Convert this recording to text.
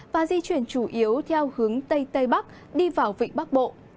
và di chuyển chủ yếu theo hướng tây tây bắc đi vào vịnh bắc bộ